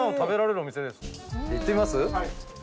行ってみます？